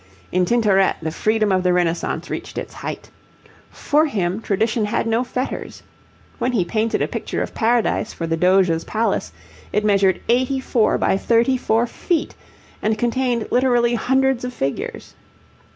In Tintoret the freedom of the Renaissance reached its height. For him tradition had no fetters. When he painted a picture of Paradise for the Doge's Palace it measured 84 by 34 feet, and contained literally hundreds of figures.